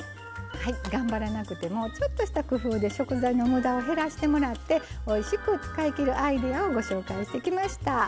頑張らなくてもちょっとした工夫で食材のむだを減らしてもらっておいしく使いきるアイデアをご紹介してきました。